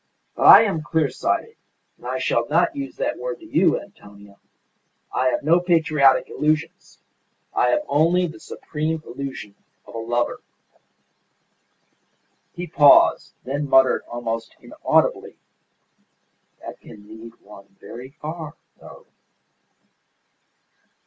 But I am clear sighted, and I shall not use that word to you, Antonia! I have no patriotic illusions. I have only the supreme illusion of a lover." He paused, then muttered almost inaudibly, "That can lead one very far, though."